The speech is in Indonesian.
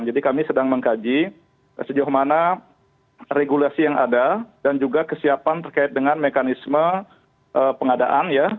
jadi kami sedang mengkaji sejauh mana regulasi yang ada dan juga kesiapan terkait dengan mekanisme pengadaan ya